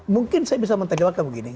mungkin saya bisa mentegakkan begini